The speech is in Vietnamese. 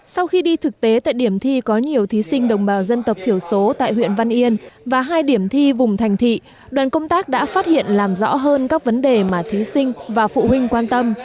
sau khi đi thực tế tại điểm thi có nhiều thí sinh đồng bào dân tộc thiểu số tại huyện văn yên và hai điểm thi vùng thành thị đoàn công tác đã phát hiện làm rõ hơn các vấn đề mà thí sinh và phụ huynh quan tâm